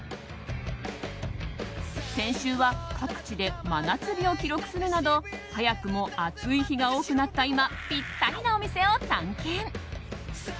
先週は各地で真夏日を記録するなど早くも暑い日が多くなった今ぴったりなお店を探検。